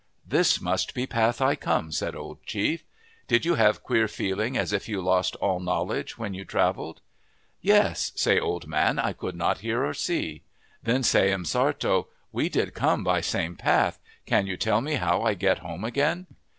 "' This must be path I come,' said Old Chief. ' Did you have queer feeling as if you lost all knowl edge when you travelled?' "' Yes,' say old man, ' I could not hear or see.' " Then say M'Sartto, ' We did come by same path. Can you tell me how I get home again